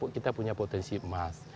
kita punya potensi emas